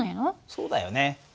そうだよね。